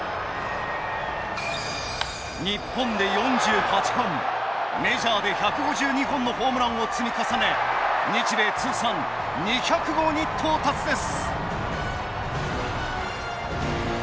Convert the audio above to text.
日本で４８本メジャーで１５２本のホームランを積み重ね日米通算２００号に到達です。